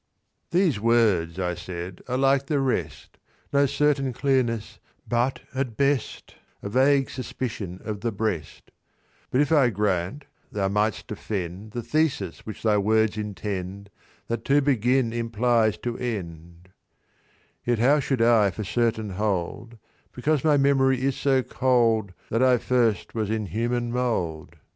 "These words," I said, "are like the rest, No certain clearness, but at best A vague suspicion of the breast: "But if I grant, thou might'st defend The thesis which thy words intend— That to begin implies to end; "Yet how should I for certain hold, Because my memory is so cold, That I first was in human mould?